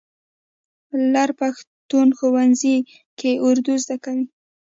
لر پښتون ښوونځي کې اردو زده کوي.